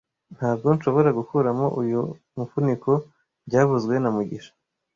Ntabwo nshobora gukuramo uyu mufuniko byavuzwe na mugisha